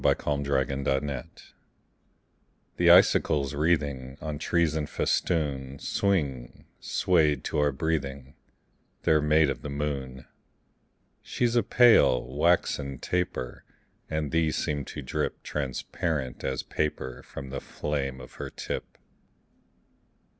SILVER FILIGREE The icicles wreathing On trees in festoon Swing, swayed to our breathing: They're made of the moon. She's a pale, waxen taper; And these seem to drip Transparent as paper From the flame of her tip.